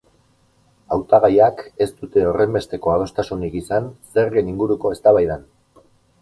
Hautagaiak ez dute horrenbesteko adostasunik izan zergen inguruko eztabaidan.